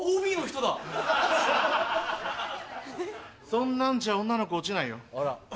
そんなんじゃ女の子落ちないよ。